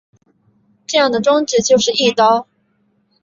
这样的装置就是翼刀。